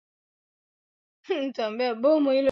huo huo lakini kwa kwelibLondon inafanana